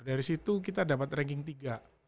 dari situ kita dapat ranking tiga